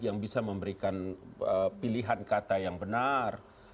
yang bisa memberikan pilihan kata yang benar